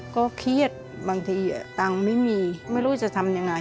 ก็เครียดบางทีตังค์ไม่มีไม่รู้จะทำยังไง